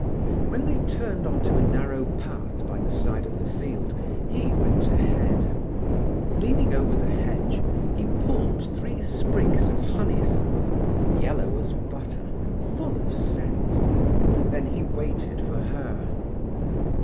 When they turned on to a narrow path by the side of the field he went ahead. Leaning over the hedge, he pulled three sprigs of honeysuckle, yellow as butter, full of scent; then he waited for her.